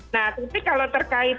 nah tetapi kalau terkait